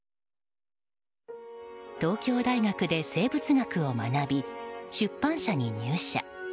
東京大学で生物学を学び出版社に入社。